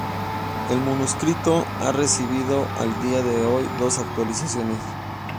El manuscrito ha recibido al día de hoy dos actualizaciones.